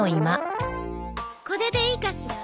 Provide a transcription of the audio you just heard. これでいいかしら？